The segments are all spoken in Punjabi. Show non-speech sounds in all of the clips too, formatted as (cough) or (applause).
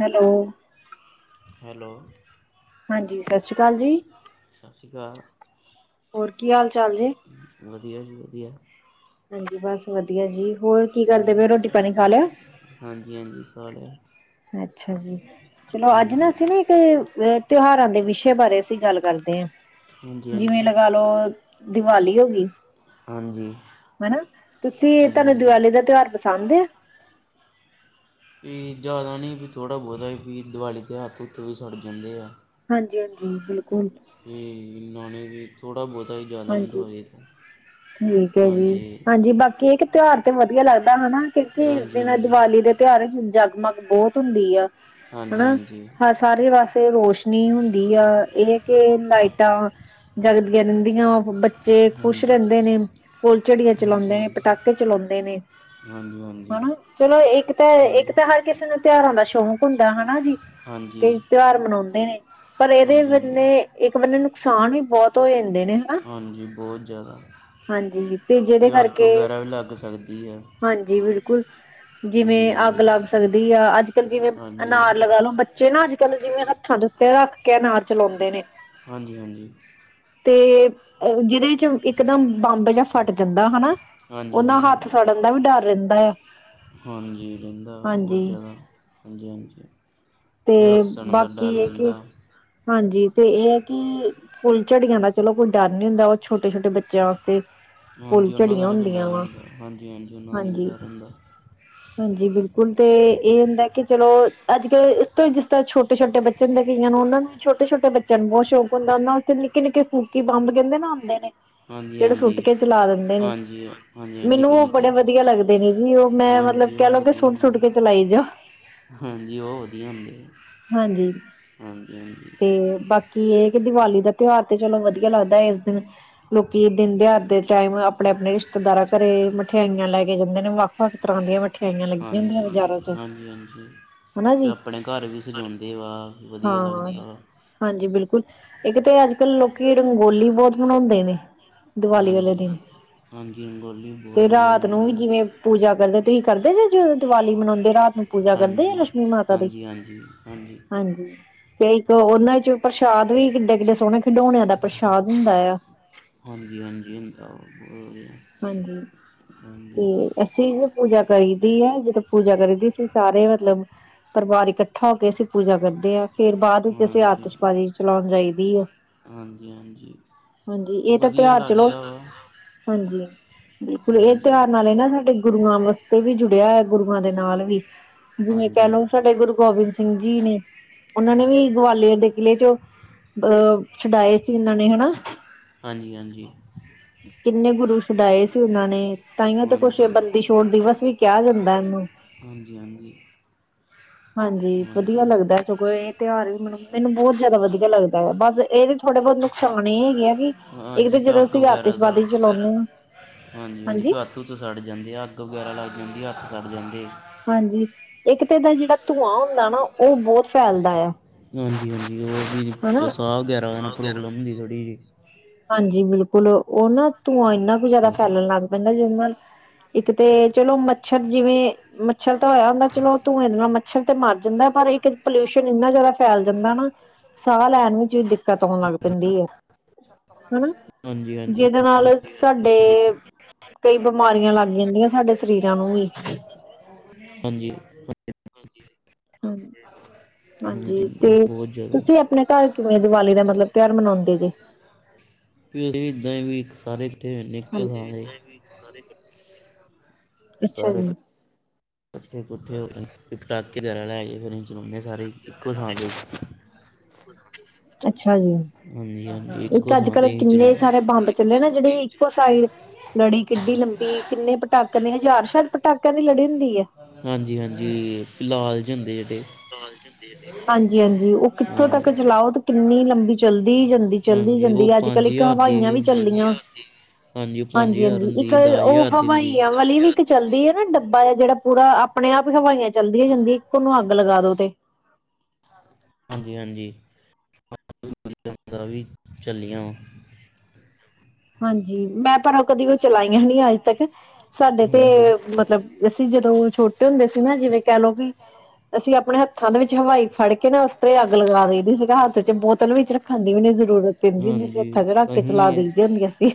ਹੈਲੋ ਹੈਲੋ ਹਾਂਜੀ ਸਤਿ ਸ਼੍ਰੀ ਅਕਾਲ ਜੀ ਸਤਿ ਸ਼੍ਰੀ ਅਕਾਲ ਹੋਰ ਕੀ ਹਾਲ ਚਾਲ ਜੇ? ਵਧੀਆ ਜੀ ਵਧੀਆ। ਹਾਂਜੀ ਬਸ ਵਧੀਆ ਜੀ ਹੋਰ। ਕੀ ਕਰਦੇ ਪਏ ਰੋਟੀ ਪਾਣੀ ਖਾ ਲਿਆ? ਹਾਂਜੀ-ਹਾਂਜੀ ਸਾਰੇ- ਅੱਛਾ ਜੀ ਚਲੋ ਅੱਜ ਨਾ ਹਾਂਜੀ ਅਸੀਂ ਨਾ ਅ ਤਿਉਹਾਰਾਂ ਦੇ ਵਿਸ਼ੇ ਬਾਰੇ ਅਸੀਂ ਗੱਲ ਕਰਦੇ ਹਾਂ ਹਾਂਜੀ ਜਿਵੇਂ ਹਾਂਜੀ ਲਗਾ ਲਓ ਦੀਵਾਲੀ ਹੋਗੀ। ਹਾਂਜੀ। ਹਨਾ ਤੁਸੀਂ ਹਾਂਜੀ ਤੁਹਾਨੂੰ ਹਾਂਜੀ ਦੀਵਾਲੀ ਦਾ ਤਿਉਹਾਰ ਪਸੰਦ ਆ। ਵੀ ਜ਼ਿਆਦਾ ਨੀ ਥੌੜਾ-ਬੋਤਾ ਹੀ ਦੀਵਾਲੀ ਤੇ ਹੱਥ-ਹੁੱਥ ਵੀ ਸਨ ਜਾਂਦੇ ਆ। ਹਾਂਜੀ-ਹਾਂਜੀ ਬਿਲਕੁਲ। ਨਾਲੇ ਵੀ ਥੌੜਾ-ਬੌਤਾ ਈ। ਹਾਂਜੀ ਠੀਕ ਹੈ ਜੀ ਹਾਂਜੀ ਬਾਕੀ ਇਕ ਤਿਉਹਾਰ ਤੇ ਵਧੀਆ ਲੱਗਦਾ ਵਾ ਨਾ ਕਿਉਂਕਿ ਇਸ ਹਾਂਜੀ ਦਿਨ ਹਾਂਜੀ ਦੀਵਾਲੀ ਦੇ ਤਿਉਹਾਰ ਵਿੱਚ ਜਗਮਗ ਬਹੁਤ ਹੁੰਦੀ ਆ ਹਾਂਜੀ ਹਨਾ ਸਾਰੇ ਵਾਸੇ ਰੋਸ਼ਨੀ ਹੁੰਦੀ ਆ ਇਹ ਕਿ ਲਾਈਟਾਂ ਜਗਦੀਆ ਰਹਿ ਦਿੰਆਂ ਬੱਚ ਚਗ ਖੁਸ਼ ਹਾਂਜੀ ਰਹਿੰਦੇ ਨੇ ਫੁਲਝੜੀਆਂ ਹਾਂਜੀ ਚਲਾਉਂਦੇ ਨੇ ਹਾਂਜੀ ਪਟਾਕੇ ਚਲਾਉਂਦੇ ਨੇ ਹਾਂਜੀ ਹਾਂਜੀ ਹਨਾ ਚਲੋ ਇੱਕ ਤਾਂ ਹਾਂਜੀ ਇੱਕ ਹਾਂਜੀ ਤਾਂ ਹਰ ਕਿਸੇ ਨੂੰ ਤਿਉਹਾਰਾਂ ਦਾ ਸ਼ੌਂਕ ਹੁੰਦਾ ਹਨਾ ਜੀ ਤੇ ਹਾਂਜੀ ਦਿਨ ਤਿਉਹਾਰ ਮਨਾਉਂਦੇ ਨੇ ਪਰ ਇਹਦੇ ਹਾਂਜੀ ਵਣੇ ਹਾਂਜੀ ਇੱਕ ਬੰ ਨੁਕਸਾਨ ਵੀ ਬਹੁਤ ਹੋ ਜਾਂਦੇ ਨੇ ਹਨਾ ਹਾਂਜੀ ਬਹੁਤ ਜ਼ਿਆਦਾ ਹਾਂਜੀ ਤੇ ਜਿਹਦੇ ਕਿ ਅੱਗ ਕਰਕੇ ਵਗੈਰਾ ਵੀ ਲੱਗ ਸਕਦੀ ਹੈ ਹਾਂਜੀ ਬਿਲਕੁੱਲ ਜਿਵੇਂ ਹਾਂਜੀ ਹਾਂਜੀ ਅੱਗ ਲੱਗ ਸਕਦੀ ਆ ਅੱਜ-ਕੱਲ੍ਹ ਜਿਵੇਂ ਹਾਂਜੀ ਅਨਾਰ ਲਗਾ ਲੋ ਬ ਚੇ ਨਾ ਅੱਜ ਕੱਲ ਜਿਵੇਂ ਹੱਥਾਂ ਦੇ ਉੱਤੇ ਰੱਖ ਕੇ ਅਨਾਰ ਚਲਾਉਂਦੇ ਨੇ ਹਾਂਜੀ ਹਾਂਜੀ ਤੇ ਅ ਜਿਹਦੇ ਚ ਇੱਕਦਮ ਬੰਬ ਜਹਾ ਫਟ ਜਾਂਦਾ ਹਨਾ ਹਾਂਜੀ ਉਹਨਾ ਹੱਥ ਹਾਂਜੀ ਸੜਨ ਦਾ ਵੀ ਡਰ ਰਹਿੰਦਾ ਆ ਹਾਂਜੀ ਰਹਿੰਦਾ ਬਹੁਤ ਹਾਂਜੀ ਜ਼ਿਆਦਾ ਹਾਂਜੀ-ਹਾਂਜੀ (unintelligible) ਤੇ ਬਾਕੀ ਇਹ ਕਿ ਹਾਂਜੀ ਤੇ ਇਹ ਹੈ ਕਿ ਫੁੱਲ ਝੜੀਆਂ ਦਾ ਚਲੋ ਕੋਈ ਡਰ ਨੀ ਹੁੰਦਾ ਉਹ ਛੋਟੇ ਛੋਟੇ ਬੱਚਿਆਂ ਵਾਸਤੇ ਫੁੱਲ ਹਾਂਜੀ ਉਹਨਾਂ ਝੜੀਆਂ ਦਾ ਨਹੀਂ ਹੁੰਦੀਆਂ ਡਰ ਵਾ ਹੁੰਦਾ ਹਾਂਜੀ-ਹਾਂਜੀ ਉਹਨਾਂ ਦਾ ਨਹੀਂ ਗ ਹਾਂਜੀ ਡਰ ਹੁੰਦਾ ਹਾਂਜੀ ਬਿਲਕੁਲ ਤੇ ਇਹ ਹੁੰਦਾ ਕਿ ਚਲੋ ਅੱਜ ਕੱਲ ਤੋਂ ਜਿਸ ਤਰ ਛੋਟੇ ਛੋੇਟੇ ਬੱਚੇ ਦੇ ਕਈਆਂ ਨੂੰ ਉਹਨਾਂ ਨੂੰ ਛੋਟੇ ਛੋਟੇੱ ਬਚਿਆਂ ਨੂੰ ਬਹੁਤ ਸ਼ੌਕ ਹੁੰਦਾ ਉ ਥ (unintelligible) ਨਿੱਕੇ-ਨਿੱਕੇ ਫੂਕੀ ਬੰਬ ਕਹਿੰਦੇ ਨਾ ਆਂਦੇ ਨੇ ਹਾਂਜੀ ਜਿਹੜੇ ਸੁੱਟ ਹਾਂਜੀ ਕੇ ਚਲਾ ਦਿੰਦੇ ਨੇ ਹਾਂਜੀ ਹਾਂਜੀ ਮੈਨੂੰ ਨਿੱਕੇ ਉਹ ਨਿੱਕੇ ਬੜੇ ਵਧੀਆ ਲੱਗ ਦੇ ਨੇ ਜੀ ਉਹ ਮੈਂ ਮਤਲਬ ਹਾਂਜੀ ਕਹਿ ਉਹ ਲਓ ਕਿ ਵਧੀਆ ਸੂਟ-ਸੁੱਟ ਹੁੰਦੇ ਕੇ ਚਲਾਈ ਜਾ ਹਾਂਜੀ ਉਹ ਵਧੀਆ ਹੁੰਦੇ ਹਾਂਜੀ ਹਾਂਜੀ ਹਾਂਜੀ ਤੇ ਬਾ ਕੀ ਇਹ ਕਿ ਦੀਵਾਲੀ ਦਾ ਤਿਉਹਾਰ ਤੇ ਚਲੋ ਵਧੀਆ ਲੱਗਦਾ ਇਸ ਦਿਨ ਲੋਕੀ ਦਿਨ ਦਿਹਾਾਰ ਦੇ ਟਾਈਮ ਆਪਣੇ-ਆਪਣੇ ਰਿਸ਼ਤੇਦਾਰਾਂ ਘਰੇ ਮਠਿਆਈਆਂ ਲੈ ਕੇ ਜਾਂਦੇ ਨੇ ਵਕ ਸਬ ਤਰਾਂ ਦੀਆਂ ਮਠਿਆਈਆਂ ਲੱਗੀਆਂ ਹੁੰਦੀਆਂ ਹਾਂਜੀ ਬਾਜ਼ਾਰਾਂ ਚ ਹਾਂਜੀ ਹਾਂਜੀ ਹਨਾ ਅਤੇ ਜੀ ਆਪਣੇ ਘਰ ਵੀ ਸਜਾਉਂਦੇ ਵਾ ਵਧੀਆ ਹਾਂ ਲੱਗਦਾ ਵਾ ਹਾਂਜੀ ਬਿਲਕੁਲ ਇੱਕ ਤਾਂ ਅੱਜ ਕਲ ਲੋਕੀ ਰੰਗੋਲੀ ਬਹੁਤ ਮਨਾਉਂਦੇ ਨੇ ਦੀਵਾਲੀ ਵਾਲੇ ਹਾਂਜੀ ਦਿਨ ਹਾਂਜੀ ਰੰਗੋਲੀ ਬਹੁਤ ਤੇ ਵਧੀਆ ਰਾਤ ਬਣਾਉਂਦੇ ਨੂੰ ਆ। ਜਿਵੇਂ ਪੂਜਾ ਕਰਦੇ ਤੁਸੀਂ ਕਰਦੇ ਜੇ ਜ ਦੀਵਾਲੀ ਮਨਾਉਂਦੇ ਰਾਤ ਨੂੰ ਪੂਜਾ ਕਰਦੇ ਆ ਹਾਂਜੀ ਲਕਸ਼ਮੀ ਮਾਤਾ ਦੀ ਹਾਂਜੀ ਹਾਂਜੀ ਹਾਂਜੀ ਤੇ ਇੱਕ ਉਹਨਾ ਚ ਪ੍ਰਸ਼ਾਦ ਵੀ ਕਿੱਡੇ-ਕਿੱਡੇ ਸੋਹਣੇ ਖਿਡੌਣਿਆਂ ਦਾ ਪ੍ਰਸ਼ਾਦ ਹੁੰਦਾ ਆ ਹਾਂਜੀ ਹਾਂਜੀ ਹੁੰਦਾ (unintelligible) ਹਾਂਜੀ ਹਾਂਜੀ ਤੇ ਜੀ (unintelligible) ਪੂਜਾ ਕਰੀ ਦੀ ਐ ਜਦੋਂ ਪੂਜਾ ਕਰੀਦੀ ਸੀ ਸਾਰੇ ਮਤਲਬ ਪਰਿਵਾਰ ਇਕੱਠਾ ਹੋ ਕੇ ਅਸੀਂ ਪੂਜਾ ਕਰਦੇ ਆਂ ਫੇਰ ਬਾਅਦ ਵਿੱਚ ਅਸੀਂ ਹਾਂਜੀ ਆਤਿਸ਼ਬਾਜ਼ੀ ਚਲਾਉਣ ਜਾਈਦੀ ਆ ਹਾਂਜੀ ਹਾਂਜੀ ਹਾਂਜੀ ਇਹ ਤਾਂ ਵਧੀਆ ਤਿਉਹਾਰ ਚਲੋ ਲੱਗਦਾ ਵਾ ਹਾਂਜੀ ਬਿਲਕੁਲ ਇਹ ਹਾਂਜੀ ਤਿਉਹਾਰ ਨਾਲ ਹੀ ਨਾ ਸਾਡੇ ਗੁਰੂਆਂ ਵਾਸਤੇ ਵੀ ਜੁੜਿਆ ਹੋਇਆ ਗੁਰੂਆਂ ਦੇ ਨਾਲ ਵੀ ਜਿਵੇਂ ਕਹਿ ਹਾਂਜੀ ਹਾਂਜੀ ਲਓ ਸਾਡੇ ਗੁਰੂ ਗੋਬਿੰਦ ਸਿੰਘ ਜੀ ਨੇ ਉਹਨਾਂ ਨੇ ਵੀ ਗਵਾਲੀਅਰ ਦੇ ਕਿਲ੍ਹੇ ਚੋਂ ਅ ਛਡਾਏ ਸੀ ਇਹਨਾਂ ਨੇ ਹੈਨਾ ਹਾਂਜੀ ਹਾਂਜੀ ਕਿੰਨੇ ਗੁਰੂ ਛੁਡਾਏ ਸੀ ਉਹਨਾਂ ਨੇ ਤਾਂਹੀਆਂ ਤੇ ਕੁਛ ਹਾਂਜੀ ਬੰਦੀ ਛੋੜ ਦਿਵਸ ਵੀ ਕਿਹਾ ਜਾਂਦਾ ਇਹਨੂੰ ਹਾਂਜੀ ਹਾਂਜੀ ਹਾਂਜੀ ਵਧੀਆ ਲੱਗਦਾ ਸਗੋਂ ਇਹ ਤਿਉਹਾਰ ਵੀ ਮਨੂੰ ਮੈਨੂੰ ਬਹੁਤ ਜ਼ਿਆਦਾ ਵਧੀਆ ਲੱਗਦਾ ਹੈ ਬਸ ਇਹਦੇ ਥੋੜੇ ਬਹੁਤ ਨੁਕਸਾਨ ਇਹ ਹੈਗੇ ਆ ਕੀ ਇੱਕ ਹਾਂਜੀ ਤੇ ਅਤੇ ਜਦੋਂ ਅੱਗ ਅਸੀਂ ਵਗੈਰਾ ਦਾ ਆਤਿਸ਼ਵਾਦੀ ਚਲਾਉਂਦੇ ਹਾਂ ਹਾਂਜੀ ਹੱਥ ਸੱੜ ਜਾਂਦੇ ਅੱਗ ਵਗੈਰਾ ਲਗ ਜਾਂਦੀ ਹੱਥ ਸੜ ਜਾਂਦੇ ਹਾਂਜੀ ਇੱਕ ਤਾਂ ਇਹਦਾ ਜਿਹੜਾ ਧੂੰਆਂ ਹੁੰਦਾ ਨਾ ਉਹ ਬਹੁਤ ਫੈਲਦਾ ਆ ਹਾਂਜੀ ਹਾਂਜੀ ਉਹ ਵੀ ਹਨਾ। ਜੋ ਸਾਹ ਵਗੈਰਾ ਦਾ ਨੂੰ ਪ੍ਰੋਬਲਮ ਹੁੰਦੀ ਥੋੜੀ ਜਿਹੀ ਪ੍ਰੋਬਲਮ ਹਾਂਜੀ ਬਿਲਕੁਲ ਉਹ ਨਾ ਧੂੰਆਂ ਇੰਨਾ ਕੁ ਜ਼ਿਆਦਾ ਹਾਂਜੀ ਫੈਲਣ ਲੱਗ ਪੈਂਦਾ ਜਿਦੇ ਨਾਲ ਇੱਕ ਤੇ ਚਲੋ ਮੱਛਰ ਜਿਵੇਂ ਮੱਛਰ ਤਾਂ ਹੋਇਆ ਹੁੰਦਾ ਚਲੋ ਧੂੰਏ ਦੇ ਨਾਲ ਮੱਛਰ ਤੇ ਮਰ ਜਾਂਦਾ ਪਰ ਇੱਕ ਪੋਲਿਊਸ਼ਨ ਇੰਨਾ ਜ਼ਿਆਦਾ ਫੈਲ ਜਾਂਦਾ ਨਾ ਸਾਹ ਲੈਣ ਵਿੱਚ ਵੀ ਦਿੱਕਤ ਆਉਣ ਲੱਗ ਪੈਂਦੀ ਹੈ ਹਨਾ ਹਾਂਜੀ ਹਾਂਜੀ ਜੇ ਇਹਦੇ ਨਾਲ ਸਾਡੇ ਕਈ ਬਿਮਾਰੀਆਂ ਲੱਗ ਜਾਂਦੀਆਂ ਸਾਡੇ ਸਰੀਰਾਂ ਨੂੰ ਵੀ ਹਾਂਜੀ ਹਾਂ ਹਾਂਜੀ ਤੇ ਬਹੁਤ ਜ਼ਿਆਦਾ ਤੁਸੀਂ ਆਪਣੇ ਘਰ ਕਿਵੇਂ ਦੀਵਾਲੀ ਦਾ ਮਤਲਬ ਤਿਉਹਾਰ ਮਨਾਉਂਦੇ ਜੇ (inaudible) ਇੱਕੋ ਥਾਂ ਹਾਂਜੀ ਤੇ ਦੇ ਵੀ ਸਾਰੇ ਅੱਛਾ ਜੀ। ਕੱਠੇ ਕੁੱਠੇ ਹੋਕੇ ਪਟਾਕੇ ਲੈ ਆ ਗਏ ਫਿਰ ਚਲੋਉਨੇ ਆ ਜੀ। ਸਾਰੇ ਇੱਕੋ ਸਥਾਂ ਤੇ ਅੱਛਾ ਜੀ। ਹਾਂਜੀ। ਇੱਕ ਇੱਕੋ ਅੱਜ ਥਾਂ ਕਲ ਤੇ ਹੀ ਕਿੰਨੇ ਚਲਾਉਂਦੇ ਸਾਰੇ ਬੰਦ ਚੱਲੇ ਨਾ ਜਿਹੜੀ ਇੱਕੋ ਸਾਈਡ ਲੜੀ ਕਿੱਡੀ ਲੰਬੀ ਕਿੰਨੇ ਪਟਾਕੇ ਦੀ ਹਜ਼ਾਰ ਸ਼ਾਤ ਪਟਾਕਿਆਂ ਦੀ ਲੜੀ ਹੁੰਦੀ ਹੈ। ਹਾਂਜੀ ਹਾਂਜੀ ਲਾਲ ਜੇ ਹੁੰਦੇ ਜਿਹੜੇ ਹਾਂਜੀ ਹਾਂਜੀ ਉਹ ਕਿੱਥੋਂ ਤੱਕ ਹਾਂਜੀ ਚਲਾਓ ਤੇ ਕਿੰਨੀ ਲੰਬੀ ਚਲਦੀ ਜਾਂਦੀ। ਚੱਲਦੀ ਹਾਂਜੀ ਉਹ ਜਾਂਦੀ ਅੱਜ ਕਲ ਇੱਕ ਹਵਾਈਆਂ ਵੀ ਚੱਲਦੀਆਂ। ਹੁੰਦੀ ਉਹ ਹਾਂਜੀ ਹਾਂਜੀ ਹੁੰਦੀ ਇੱਕ ਉਹ ਦੀ ਹੁੰਦੀ ਹਵਾਈਆ ਵਾਲੀ ਵੀ ਇੱਕ ਚੱਲਦੀ ਹੈ ਨਾ ਡੱਬਾ ਆ ਜਿਹੜਾ ਪੂਰਾ ਆਪਣੇ ਆਪ ਹੀ ਹਵਾਈਆਂ ਚੱਲਦੀਆਂ ਜਾਂਦੀ ਇੱਕ ਉਹਨੂੰ ਅੱਗ ਲਗਾ ਦੋ ਤੇ। ਹਾਂਜੀ ਹਾਂਜੀ (inaudible) ਚੱਲੀਆਂ ਵਾ। ਹਾਂਜੀ ਮੈਂ ਪਰ ਕਦੀ ਉਹ ਚਲਾਈਆਂ ਨੀ ਅੱਜ ਤੱਕ ਸਾਡੇ ਤੇ ਹਾਂਜੀ ਮਤਲਬ। ਅਸੀਂ ਜਦੋਂ ਛੋਟੇ ਹੁੰਦੇ ਸੀ ਨਾ ਜਿਵੇਂ ਕਹਿ ਲਓ ਵੀ ਅਸੀਂ ਆਪਣੇ ਹੱਥ। ਹੱਥਾਂ ਦੇ ਵਿੱਚ ਹਵਾਈ ਫੜ ਕੇ ਨਾ ਉਸ ਤੇ ਅੱਗ ਲਗਾ ਦੇਦੀ ਸੀਗਾ ਹੱਥ ਚ ਬੋਤਲ ਵਿੱਚ ਰੱਖਣ ਦੀ ਵੀ ਨ ਜ਼ਰੂਰਤ। ਪੈਂਦੀ ਹੁੰਦੀ ਸੀ ਹਾਂਜੀ ਹੱਥਾਂ ਚ ਰੱਖ ਕੇ ਚਲਾ ਅਸੀਂ ਦਈਦੇ।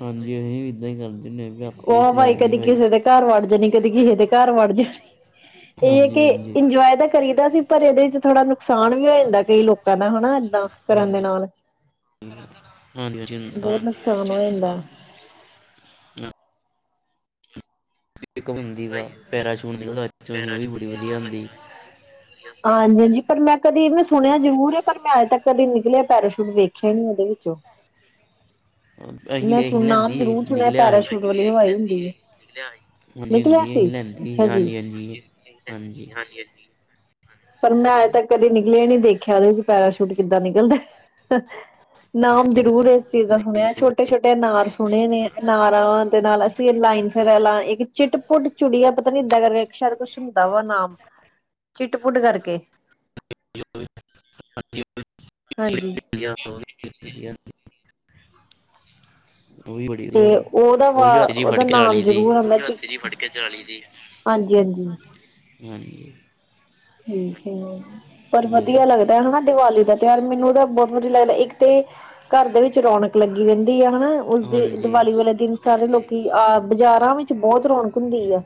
ਹਾਂਜੀ ਅਸੀਂ ਵੀ ਏਦਾਂ ਹੀ ਕਰਦੇ ਹੁੰਦੇ ਹਾਂ ਵੀ ਆਪੇ ਉਹ ਹੀ ਚਲਾ ਨੀ ਕਦੀ ਹਵਾਈ। ਕਿਸੇ ਘਰ ਵੜ ਜਾਣੀ ਕਦੇ ਕਿਹੇ ਦੇ ਘਰ ਵੜ ਜਾਣੀ ਇਹ ਹਾਂਜੀ ਕਿ ਹਾਂਜੀ ਇੰਜੋਏ ਤਾਂ। ਕਰੀਦਾ ਸੀ ਪਰ ਇਹਦੇ ਚ ਥੋੜਾ ਸਾਨ ਵੀ ਹੋ ਜਾਂਦਾ ਕਈ ਲੋਕਾਂ ਦਾ ਹਨਾ ਏਦਾਂ ਕਰਨ ਦੇ ਹਾਂਜੀ ਨਾਲ। ਹਾਂਜੀ ਵੁੰਦਾ ਆਹ। (unintelligible) ਹਦਾ। (unintelligible) ਇੱਕ ਬਣਦੀ ਵਾ ਪੈਰਾ ਸ਼ੂਟ ਨੀਲਦਾ ਪਿੱਛੇ ਉਹ ਵੀ ਬੜੀ ਵਧੀਆ ਹੁੰਦੀ। ਹਾਂਜੀ ਹਾਂਜੀ ਪਰ ਮੈਂ ਕਦੀ ਇਹ ਸੁਣਿਆ ਜ਼ਰੂਰ ਹੈ ਪਰ ਮੈਂ ਅੱਜ ਤੱਕ ਕਦੇ ਨਿਕਲਿਆ ਪੈਰਾਸ਼ੂਟ ਵੇਖਿਆ ਹੀ ਨੀ ਓਦੇ ਵਿੱਚੋ। ਅਸੀਂ ਮੈਂ ਅਸੀਂ ਸੁਣ ਨਾਮ ਲੈਂਦੀ ਸੀ ਜਰੂਰ ਸੁਣਿਆ ਨਿਕਲਿਆ ਸੀ ਪੈਰਾਸ਼ੂਟ ਵਾਲੀ ਹਵਾਈ ਹੁੰਦੀ ਹੈ। ਹਾਂਜੀ ਨਿਕਲਿਆ ਹੁੰਦੀ ਸੀ ਅਸੀਂ ਲੈਂਦੀ ਸੀ ਅੱਛਾ ਜੀ। ਹਾਂਜੀ ਹਾਂਜੀ ਪਰ ਮੈਂ ਅਜੇ ਤੱਕ ਕਦੀ ਨਿਕਲਿਆ ਨੀ ਦੇਖਿਆ ਉਹਦੇ ਚ ਪੈਰਾਸ਼ੂਟ ਕਿੱਦਾਂ ਨਿਕਲਦਾ। ਨਾਮ ਜ਼ਰੂਰ ਇਸ ਚੀਜ਼ ਦਾ ਸੁਣਿਆ ਛੋਟੇ ਛੋਟੇ ਅਨਾਰ ਸੁਣੇ ਨੇ ਅਨਾਰਾਂ ਦੇ ਨਾਲ। ਲਾਈਨ ਫਾਂ ਇੱਕ ਚਿੱਟ ਪੁੁੱਟ ਚੁੜੀ ਪਤਾ ਨੀੱ ਏਦਾਂ ਦਾ ਕੁਛ ਹੁੰਦਾ ਵਾ ਨਾਮ। ਟੱਟ ਪੁੁੱਟ ਕਰਕੇ (inaudible) ਹਾਂਜੀ। ਵਧੀਆ ਉਹ ਵੀ ਵਧੀਆ ਉਹ ਵੀ ਬੜੀ ਤੇ ਵਧੀਆ ਹੁੰਦੀ ਉਹਦਾ ਵ ਉਹੀ ਹੱਥ ਜਿਹੀ ਫੜ ਉਹਦਾ ਕੇ ਚਲਾ ਨਾਮ ਲਈ ਦੀ ਜਰੂਰ ਆਂਦਾ ਹਤ ਚ ਪਕੜ ਕੇ ਚਲਾਲੀ। ਹਾਂਜੀ ਹਾਂਜੀ। ਹਮ। ਠੀਕ ਹੈ। ਪਰ ਹਾਂਜੀ ਵਧੀਆ ਲੱਗਦਾ ਹਨਾ ਦੀਵਾਲੀ ਦਾ ਤਿਉਹਾਰ ਮੈਨੂੰ ਉਹ ਤਾਂ ਬਹੁਤ ਵਧੀਆ ਲੱਗਦਾ ਇੱਕ ਤੇ। ਘਰ ਦੇ ਵਿੱਚ ਰੌਣਕ ਲੱਗੀ ਰਹਿੰਦੀ ਆ ਹਨਾ ਉਸਦੀ ਹਾਂਜੀ ਦੀਵਾਲੀ ਵਾਲੇ ਦਿਨ। ਸਾਰੇ ਲੋਕੀ ਆ ਬਾਜ਼ਾਰਾਂ ਵਿੱਚ ਬਹੁਤ ਰੌਣਕ ਹੁੰਦੀ ਆ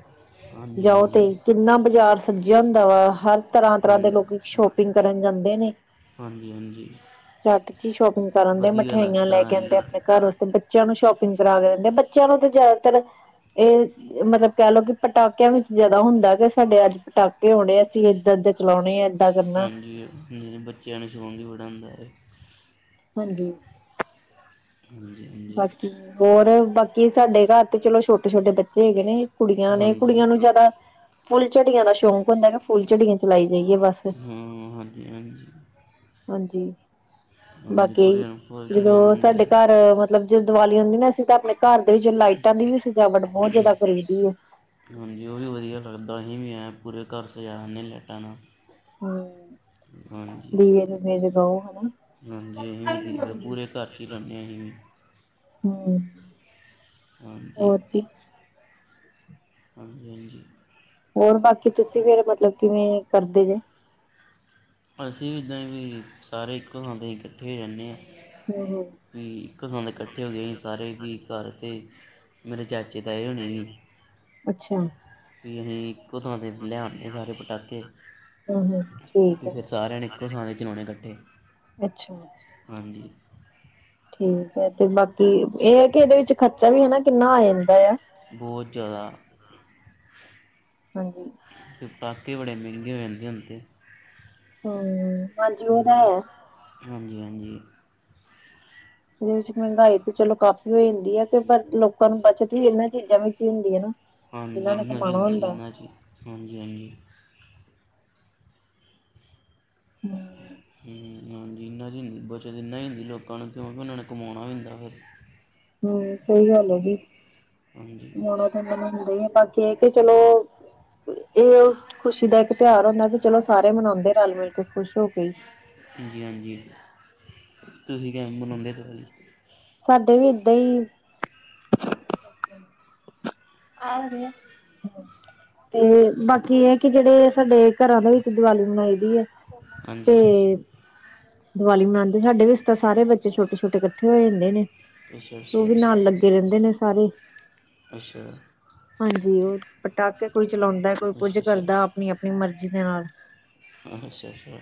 ਹਾਂਜੀ ਜਾਓ ਤੇ। ਹਾਂਜੀ ਕਿੰਨਾ ਬਾਜ਼ਾਰ ਸਜ਼ਿਆ ਹੁੰਦਾ ਵਾ ਹਰ ਤਰ੍ਹਾਂ ਤਰ੍ਹਾਂ ਦੇ ਲੋਕ ਹਾਂਜੀ ਸ਼ੋਪਿੰਗ ਕਰਨ ਜਾਂਦੇ ਨੇ। ਹਾਂਜੀ ਹਾਂਜੀ ਚੱਟ ਚ ਸ਼ੋਪਿੰਗ ਕਰਨ ਦੇ ਵਧੀਆ ਮਠਿਆਈਆਂ ਲੱਗਦਾ ਲੈ ਕੇ ਆਦੇ ਹਾਂਜੀ ਆਪਣੇ ਘਰ ਉਸਦੇ। ਬੱਚਿਆਂ ਨੂੰ ਸ਼ੋਪਿੰਗ ਕਰਾ ਕੇ ਦਿੰਦੇ ਆ ਬੱਚਿਆਂ ਨੂੰ ਤਾਂ ਜ਼ਿਆਦਾਤਰ। ਇਹ ਮਤਲਬ ਕਹਿ ਲਓ ਕਿ ਪਟਾਕਿਆਂ ਵਿੱਚ ਜਿਆਦਾ ਹੁੰਦਾ ਕਿ ਸਾਡੇ ਅੱਜ ਪਟਾਕੇ ਆਉਣੇ ਆ। ਅਸੀਂ ਇੱਦਾਂ ਏ ਚਲਾਉਣੇ ਆ। ਏਦਾਂ ਕਰਨਾ ਹਾਂਜੀ ਜਿ ਬੱਚਿਆਂ ਨੂੰ ਸ਼ੌਕ ਹੀ ਬੜਾ ਹੁੰਦਾ ਹੈ। ਹਾਂਜੀ। ਹਾਂਜੀ। ਹਾਂਜੀ ਬਾਕੀ ਹੋਰ, ਬਾਕੀ ਸਾਡੇ ਘਾੱਰ ਤੇ ਚਲੋ ਛੋਟੇ-ਛੋਟੇ ਬੱਚੇ ਹੈਗੇ ਨੇ। ਕੁੜੀਆਂ ਨੇ ਹਾਂਜੀ ਕੁੜੀਆਂ ਨੂੰ ਜੈਦਾ ਫੁੱਲਝੜੀਆਂ ਦਾ ਸ਼ੋਕ ਹੁੰਦਾ ਨਾ, ਫੁੱਲਝੜੀਆਂ ਚਲਾਈ ਜਾਈਏ ਬਾੱਸ ਹੂੰ ਹਾਂਜੀ, ਹਾਂਜੀ। ਹਾਂਜੀ, ਹਾਂਜੀ ਬਾਕੀ ਕੁੜੀਆਂ ਨੂੰ ਫੁੱਲ ਚੜ੍ਹਾਇਆ ਜਿਦੋ ਜਾਂਦਾ ਸਾਡੇ ਘਾੱਰ ਹੈ ਮ ਮਤਲਬ ਜਦੋ ਦਵਾਲੀ ਆਂਦੀ ਨਾ ਅਸੀ ਤਾ ਆਪਣੇ ਘਾੱਰ ਦੇ ਵਿੱਚ ਲਾਈਟਾਂ ਦੀ ਵੀ ਸਜਾਵਟ ਬੋਤ ਜੈਦਾ ਕਰਦੀ ਐ। ਹਾਂਜੀ, ਓ ਵੀ ਵਦੀਆ ਲੱਗਦਾ ਅਹੀਂ ਵੀ ਐਂ ਪੂਰੇ ਘਾੱਰ ਸਜਾ‌ ਦੇਨੇ ਲੈਟਾਂ ਨਾਲ ਹੂੰ, ਹਾਂਜੀ ਦੀਵੇ ਦੂਵੇ ਜਗਾਓ ਹਨਾ। ਹਾਂਜੀ, ਅਹੀਂ ਵੀ ਦੀਵੇ ਪੂਰੇ ਘਾੱਰ ਚ ਈ ਲਾਨੇ ਆ ਅਹੀਂ ਵੀ ਹਾਂ। ਹਾਂਜੀ। ਹਾਂਜੀ, ਹਾਂਜੀ। ਹੋਰ ਬਾਕੀ ਤੁਸੀ ਫੇਰ ਮਤਲਬ ਕਿਵੇਂ ਕਰਦੇ ਜੇ ਅਸੀ ਵੀ ਇੱਦਾਂ ਈ ਵੀ ਸਾਰੇ ਇੱਕੋ ਥਾਂ ਤੇ ਇਕੱਠੇ ਹੋ ਜਾਨੇ ਆਂ। ਹਾਂ, ਹਾਂ। ਵੀ ਇੱਕ ਥਾਂ ਤੇ ਕੱਠੇ ਹੋਗੇ ਅਈਂ ਸਾਰੇ ਵੀ ਘਾੱਰ ਤੇ ਮੇਰੇ ਚਾਚੇ ਤਾਏ ਹੋਣੀ ਵੀ ਅੱਛਾ (unintelligible) ਇਕੋ ਥਾਂ ਤੇ ਲੇਆਨਗੇ ਸਾਰੇ ਪਟਾਕੇ ਹੂੰ, ਹੂੰ। ਤੇ ਠੀਕ ਹੈ ਫੇਰ ਸਾਰੇਆਂ ਨੇ ਇੱਕੋ ਥਾਂ ਤੇ ਚਲੋਣੇ ਕੱਠੇ, ਅੱਛਾ ਹਾਂਜੀ। ਠੀਕ ਐ, ਤੇ ਬਾਕੀ ਏ ਐ ਕਿ ਏਦੇ ਵਿੱਚ ਖਰਚਾ ਵੀ ਹਨਾ ਕਿੰਨਾ ਆ ਜਾਂਦਾ ਆ। ਬੋਤ ਜਾਦਾ ਹਾਂਜੀ। ਤੇ ਪਟਾਕੇ ਬੜੇ ਮੈਂਗੇ ਹੋ ਜਾਨਗੇ ਹੁਣ ਤੇ ਹਾਂ। ਹੂੰ‌‌ ਹਾਂਜੀ, ਹਾਂਜੀ। ਏਦੇ ਵਿੱਚ ਮੈਂਗਾਈ ਤੇ ਚਲੋ ਕਾਫ਼ੀ ਹੋ ਜਾਂਦੀ ਐ, ਤੇ ਪਰ ਲੋਕਾਂ ਨੂੰ ਬੱਚਤ ਵੀ ਏਨਾਂ ਚੀਜ਼ਾਂ ਵਿੱਚ ਈ ਹੁੰਦੀ ਏ ਨਾ। ਹਾਂਜੀ ਜਿਨਾਂ ਨੇ ਇੰਨਾ ਚ, ਕਮਾਣਾ ‌ ਹੁੰਦਾ ਇੰਨਾ ਚ ਹਾਂਜੀ, ਹਾਂਜੀ। (inaudible) ਹੂੰ ਹਾਂਜੀ, ਇਨਾਂ ਦੀ ਹੁੰਦੀ ਬੱਚਤ ਇੰਨਾ ਈ ਹੁੰਦੀ ਲੋਕਾਂ ਨੂੰ ਕਯੋਂਕਿ ਓਨਾਂ ਨੇ ਕਮੋਣਾ ਵੀ ਹੁੰਦਾ ਫੇਰ ਹੂੰ, ਸਈ ਗਾੱਲ ਐ ਜੀ, ਹਾਂਜੀ ਹੁਣ ਮੈਨ ਹੁੰਦਾ ਈ ਐ ਬਾਕੀ ਏ ਕਿ ਚਲੋ ਏ ਓ ਖੁਸ਼ੀ ਦਾ ਏਕ ਤੈਆਰ ਹੁੰਦਾ ਵੀ ਚਲੋ ਸਾਰੇ ਮਨੋਦੇ ਰਾਲ‌ ਮਿਲ ਕੇ ਖੁਸ਼ ਹੋਕੇ ਈ। ਹਾਂਜੀ, ਹਾਂਜੀ ਤੁਸੀ ਕੈਂਜ ਮਨੋਦੇ ਪੇ ਸਾਡੇ ਵੀ ਏਦਾਂ ਈ। ਆ ਰੇਆ ਤੇ ਬਾਕੀ ਏ ਕਿ ਜੇੜੇ ਸਾਡੇ ਘਰਾਂ ਦੇ ਵਿੱਚ ਦੀਵਾਲੀ ਮਨਾਈ ਦੀ ਏ, ਤੇ ਹਾਂਜੀ ਦਵਾਲੀ ਮਨਾਦੇ ਸਾਡੇ ਵੀ ਅਸੀ ਤਾ ਸਾਰੇ ਬੱਚੇ ਛੋਟੇ-ਛੋਟੇ ਕੱਠੇ ਹੋਏ ਜਾਂਦੇ ਨੇ, ਅੱਛਾ ਤੇ ਅੱਛਾ ਓਵੀ ਨਾਲ ਲੱਗ (unintelligible) ਰੇਂਦੇ ਨੇ ਸਾਰੇ ਅੱਛਾ ਹਾਂਜੀ, ਓ ਪਟਾਕੇ ਕੋਈ ਚਲੋਂਦਾ ਕੋਈ ਕੁੱਜ ਅੱਛਾ ਅੱਛਾ ਕਰਦਾ ਆਪਨੀ, ਆਪਨੀ ਮਰਜ਼ੀ ਦੇ ਨਾਲ ਅੱਛਾ, ‌ ਅੱਛਾ।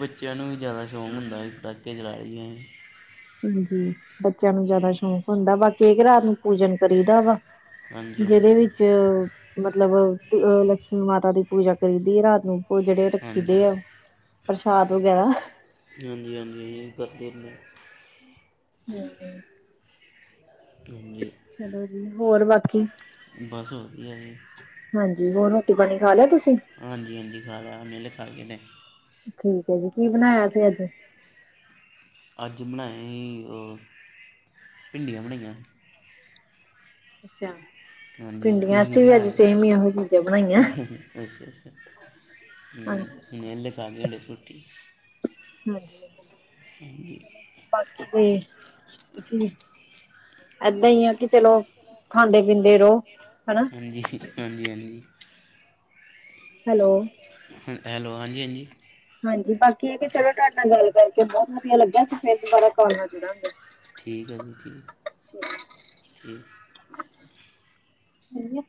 ਬੱਚੇਆਂ ਨੂੰ ਈ ਜਾਦਾ ਸ਼ੋਕ ਹੁੰਦਾ ਅਹੀ ਪਟਾਕੇ ਚਲਾ ਲੀਏ ਹਾਂਜੀ, ਬੱਚੇਆਂ ਨੂੰ ਜਾਦਾ ਸ਼ੋਕ ਹੁੰਦਾ ਵਾ, ਕੇਕ ਰਾਤ ਨੂੰ ਪੂਜਨ ਕਰੀਦਾ ਵਾ। ਹਾਂਜੀ ਜੇੜੇ ਹਾਂਜੀ ਵਿੱਚ ਮਤਲਬ ਅ ਲੱਕਸ਼ਮੀ ਮਾਤਾ ਦੀ ਪੂਜਾ ਕਰੀਦੀ ਏ ਰਾਤ ਨੂੰ ਓ ਜੇੜੇ ਰੱਖੀ ਹਾਂਜੀ ਦੇ ਆ, ਪ੍ਰਸ਼ਾਦ ਵਗੈਰਾ। ਹਾਂਜੀ, ਹਾਂਜੀ ਕਰਦੇ ਏਨਾ (inaudible) ਚਲੋ (unintelligible) ਹੋਰ ਬਾਕੀ? ਬਸ ਵਧੀਆ ਜੀ। ਹਾਂਜੀ ਹੋਰ ਰੋਟੀ-ਪਾਣੀ ਖਾ ਲਿਆ ਤੁਸੀਂ? ਹਾਂਜੀ-ਹਾਂਜੀ (unintelligible) ਠੀਕ ਅ ਜੀ ਕੀ ਬਣਾਇਆ ਸੀ ਅੱਜ? ਅੱਜ ਬਣਾਇਆ ਹੀ ਆ ਭਿੰਡੀਆਂ ਬਣਾਈਆਂ। ਅੱਛਾ। ਹਾਂਜੀ-ਹਾਂਜੀ ਭਿੰਡੀਆਂ ਤੁਸੀਂ ਕੀ ਅਸੀਂ ਵੀ ਅੱਜ ਬਣਾਇਆ ਸੇਮ ਹੀ ਇਹੋ ਚੀਜ਼ਾਂ ਬਣਾਈਆਂ ਅੱਛਾ-ਅੱਛਾ। ਹਾਂਜੀ ਹੂੰ ਨਹੀ ਹੱਲੇ ਖਾਂਣੀ ਰੋਟੀ ਹਾਂਜੀ-ਹਾਂਜੀ। (unintelligible) ਬਾਕੀ ਤੇ ਅਸੀਂ ਏਦਾਂ ਈ ਆ ਕਿ ਚੱਲੋ ਖਾਂਦੇ ਪੀਂਦੇ ਰੋ ਹਨਾ। ਹਾਂਜੀ-ਹਾਂਜੀ। ਹੈਲੋ। ਹੈਲੋ ਹਾਂਜੀ-ਹਾਂਜੀ ਹਾਂਜੀ ਬਾਕੀ ਏ ਕੀ ਚਲੋ ਤੁਹਾਡੇ ਨਾਲ ਗੱਲ ਕਰਕੇ ਬੋਤ ਵਧੀਆ ਲੱਗਿਆ ਅਸੀ ਫੇਰ ਦੁਬਾਰਾ ਕਾੱਲ ਨਾਲ ਜੁੜਾਂਗੇ। ਠੀਕ ਆ ਜੀ ਠੀਕ ਨਹੀਂ